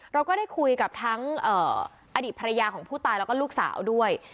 เราก็ได้คุยกับทั้งอดีตภรรยาของผู้ตายแล้วก็ลูกสาวด้วย